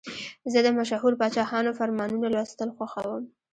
زه د مشهورو پاچاهانو فرمانونه لوستل خوښوم.